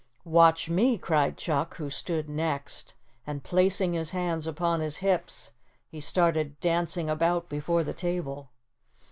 "Watch me," cried Chuck, who stood next, and placing his hands upon his hips he started dancing about before the table.